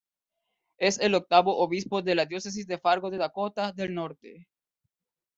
Es el octavo obispo de la Diócesis de Fargo de Dakota del Norte.